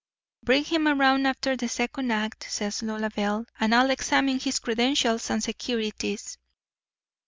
"'Bring him around after the second act,' says Lolabelle, 'and I'll examine his credentials and securities.